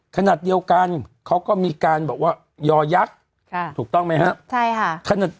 ขณะเดียวกันเขาก็มีการบอกว่ายอยักษ์ถูกต้องไหมครับ